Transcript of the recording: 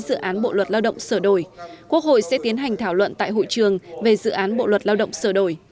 dự án bộ luật lao động sửa đổi quốc hội sẽ tiến hành thảo luận tại hội trường về dự án bộ luật lao động sửa đổi